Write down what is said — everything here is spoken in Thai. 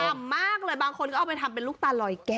ทำมากเลยบางคนก็เอาไปทำเป็นลูกตานร้อยเก็บ